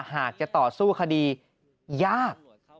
หากจะต่อสู้คดียาก